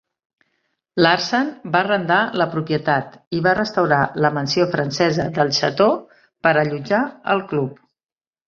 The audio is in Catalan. Larsen va arrendar la propietat i va restaurar la mansió francesa del Chateau per allotjar el club.